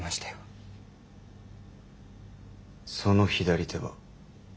その左手は？